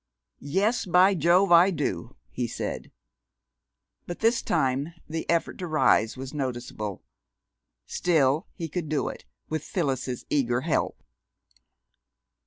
"Yes, by Jove, I do!" he said. But this time the effort to rise was noticeable. Still, he could do it, with Phyllis's eager help.